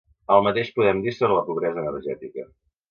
El mateix podem dir sobre la pobresa energètica.